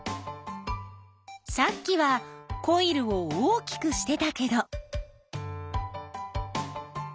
さっきはコイルを大きくしてたけど。